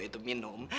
tidak ada warmth